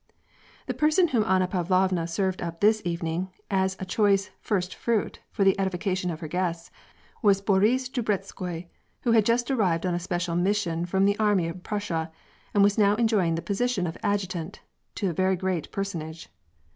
The person whom Anna Pavlovna served up this evening, as a choice "first fruit" for the edification of her guests, was Boris Drubetskoi, who had just arrived on a special mission from the army in Prussia, and was now enjoying the position of adjutant to a very great personage.